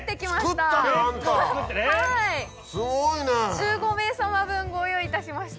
１５名様分ご用意いたしました。